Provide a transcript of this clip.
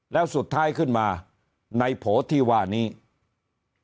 แล้วสุดท้ายขึ้นมาในโผทิวานิเวียน